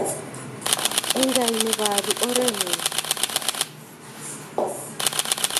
Enkai nabore orngur